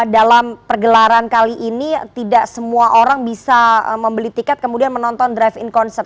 dalam pergelaran kali ini tidak semua orang bisa membeli tiket kemudian menonton drive in concert